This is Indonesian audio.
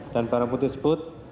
dan barang bukti sebut